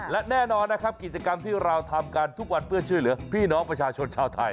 และแน่นอนนะครับกิจกรรมที่เราทำกันทุกวันเพื่อช่วยเหลือพี่น้องประชาชนชาวไทย